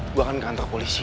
gue akan ke kantor polisi